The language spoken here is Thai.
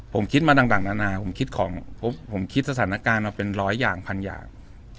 ผมคิดมาต่างนานาผมคิดของผมคิดสถานการณ์มาเป็นร้อยอย่างพันอย่าง